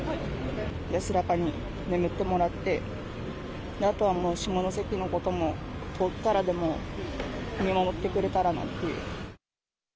安らかに眠ってもらって、あとはもう下関のことも、遠くからでも見守ってくれたらなっていう。